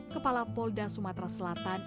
kepala polda sumatera selatan